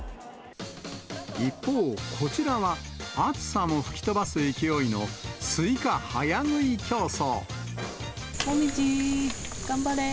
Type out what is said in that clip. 一方、こちらは暑さも吹き飛ばす勢いのスイカ早食い競争。